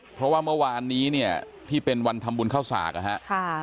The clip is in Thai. เพราะว่าเมื่อวานนี้เนี่ยที่เป็นวันทำบุญเข้าสากนะฮะ